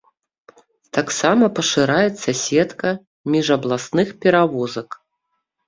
Таксама пашыраецца сетка міжабласных перавозак.